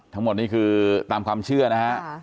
ทั้งหมดนี่คือตามความเชื่อนะฮะ